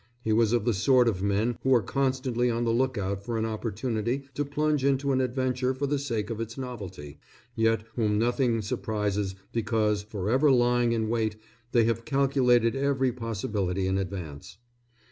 He was of the sort of men who are constantly on the lookout for an opportunity to plunge into an adventure for the sake of its novelty, yet whom nothing surprises because, forever lying in wait, they have calculated every possibility in advance.